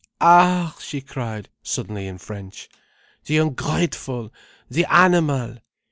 "Ah!" she cried suddenly in French, "the ungrateful, the animal!